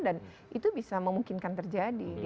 dan itu bisa memungkinkan terjadi